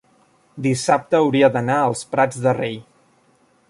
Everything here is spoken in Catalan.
dissabte hauria d'anar als Prats de Rei.